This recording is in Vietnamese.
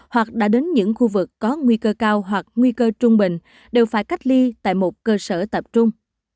hoặc đã đến những khu vực có nguy cơ cao hoặc nguy cơ trung bình đều phải cách ly tại một cơ sở tập trung